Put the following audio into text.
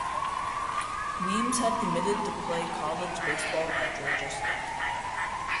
Weems had committed to play college baseball at Georgia State.